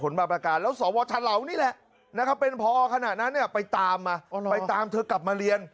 แล้วสวทลาวนี่แหละเป็นผอขนาดนั้นไปตามเธอกลับมาเรียน